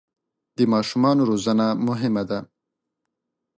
د ماشومانو روزنه مهمه ده.